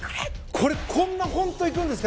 こんなにいくんですか？